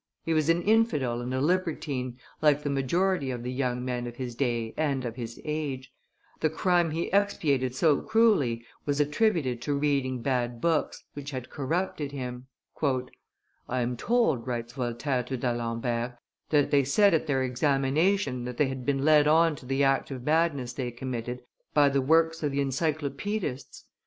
He was an infidel and a libertine, like the majority of the young men of his day and of his age; the crime he expiated so cruelly was attributed to reading bad books, which had corrupted him. "I am told," writes Voltaire to D'Alembert, "that they said at their examination that they had been led on to the act of madness they committed by the works of the Encyclopaedists.